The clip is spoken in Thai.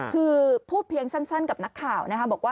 คือพูดเพียงสั้นกับนักข่าว